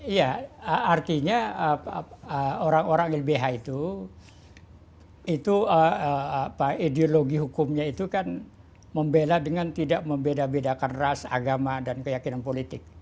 iya artinya orang orang lbh itu ideologi hukumnya itu kan membela dengan tidak membeda bedakan ras agama dan keyakinan politik